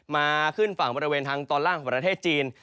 ขึ้นฝั่งบริเวณทางตอนล่างของประเทศจีน